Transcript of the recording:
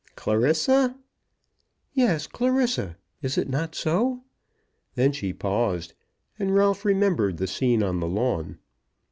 "Clarissa!" "Yes; Clarissa. Is it not so?" Then she paused, and Ralph remembered the scene on the lawn.